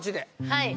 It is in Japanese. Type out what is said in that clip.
はい。